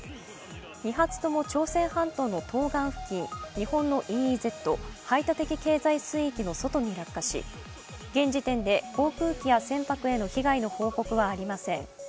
２発とも挑戦半島の東岸付近、日本のＥＥＺ＝排他的経済水域の外に落下し、現時点で航空機や船舶への被害の報告はありません。